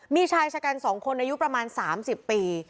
มีชายชะกัน๒คนอายุประมาณ๓๐ปี